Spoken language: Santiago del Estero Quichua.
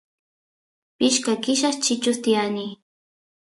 pishka killas chichus tiyani